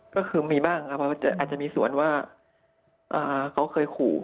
ก็คือมีบ้างอาจจะมีส่วนว่าเขาเคยขู่